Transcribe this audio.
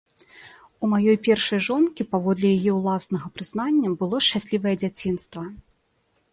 У маёй першай жонкі, паводле яе ўласнага прызнання, было шчаслівае дзяцінства.